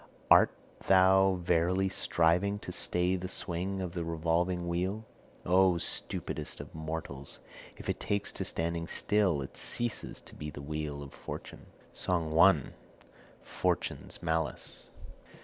art thou verily striving to stay the swing of the revolving wheel? Oh, stupidest of mortals, if it takes to standing still, it ceases to be the wheel of Fortune.' SONG I. FORTUNE'S MALICE.